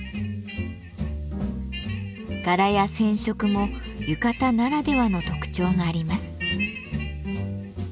柄や染色も浴衣ならではの特徴があります。